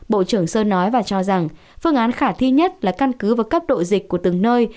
bộ trưởng sơn nói và cho rằng phương án khả thi nhất là căn cứ vào cấp độ dịch của từng nơi